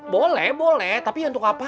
boleh boleh tapi untuk apa